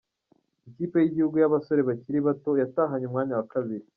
Ikipe y'igihugu y'abasore bakiri bato yatahanye umwanya wa kabiri.